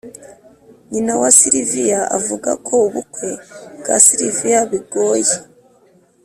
nyina wa sylvia avuga ko ubukwe bwa sylvia bigoye